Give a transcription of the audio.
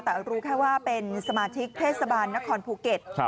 แต่รู้แค่ว่าเป็นสมาชิกเทศบาลนครภูเก็ต